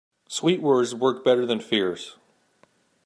Sweet words work better than fierce.